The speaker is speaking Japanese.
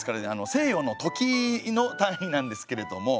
西洋の時の単位なんですけれども。